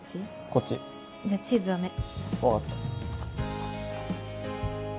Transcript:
こっちじゃあチーズ多め分かった